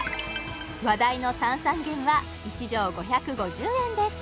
話題の炭酸源は１錠５５０円です